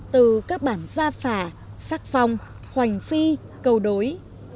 từ các bản gia phà sắc phong hoành phi câu đối